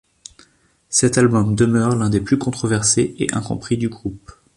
Cet album demeure l'un des plus controversés et incompris du groupe.